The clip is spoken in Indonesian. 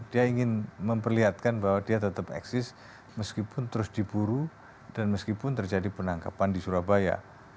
dia ingin memperlihatkan bahwa dia tetap eksis meskipun terus diburu dan meskipun terjadi penangkapan di surabaya